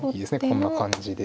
こんな感じで。